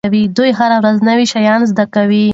دوی هره ورځ نوي شیان زده کوي.